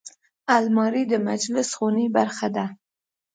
الماري د مجلس خونې برخه ده